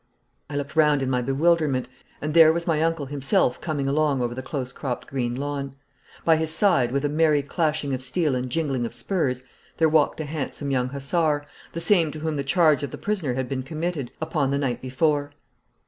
I looked round in my bewilderment, and there was my uncle himself coming along over the close cropped green lawn. By his side, with a merry clashing of steel and jingling of spurs, there walked a handsome young hussar the same to whom the charge of the prisoner had been committed upon the night before.